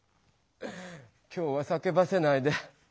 今日はさけばせないで。